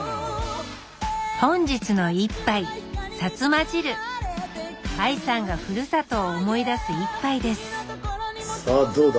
本日の一杯ＡＩさんがふるさとを思い出す一杯ですさあどうだ？